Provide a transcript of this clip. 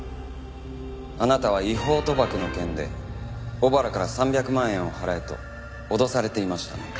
あなたは違法賭博の件で尾原から３００万円を払えと脅されていましたね？